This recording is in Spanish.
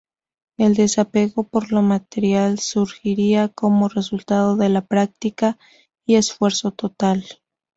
El desapego por lo material surgirá como resultado de la práctica y esfuerzo total.